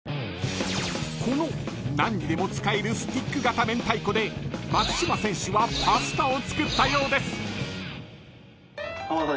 ［この何にでも使えるスティック型めんたいこで松島選手はパスタを作ったようです］